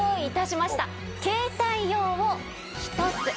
携帯用を１つ。